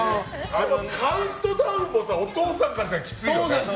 カウントダウンもお父さんはきついよね。